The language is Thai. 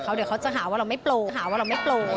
เดี๋ยวเขาจะหาว่าเราไม่โปร่งหาว่าเราไม่โปร่ง